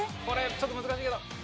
ちょっと難しいけど。